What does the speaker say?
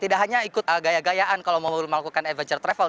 tidak hanya ikut gaya gayaan kalau mau melakukan adventure travel